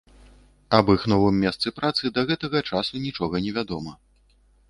Аб іх новым месцы працы да гэтага часу нічога невядома.